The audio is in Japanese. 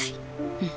うん。